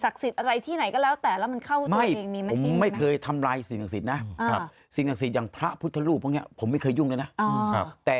ก็ยังไม่เคยตายจะไปตอบที่ยังไง